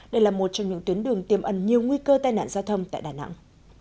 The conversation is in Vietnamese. đây là một trong những tuyến đường tiêm ẩn nhiều nguy cơ tai nạn giao thông tại đà nẵng